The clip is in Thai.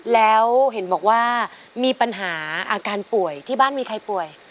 แล้วเห็นบอกว่ามีปัญหาอาการป่วยที่บ้านมีใครป่วย